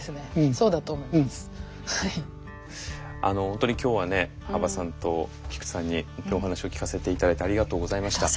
本当に今日はね羽馬さんと菊池さんにお話を聞かせて頂いてありがとうございました。